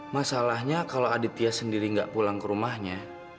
masalahnya kalau aditya sendiri nggak pulang ke rumahnya